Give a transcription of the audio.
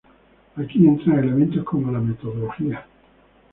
Aquí entran elementos como la metodología.